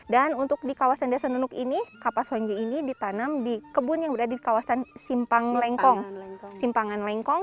dan untuk di kawasan desa nunuk ini kapas honjek ini ditanam di kebun yang berada di kawasan simpangan lengkong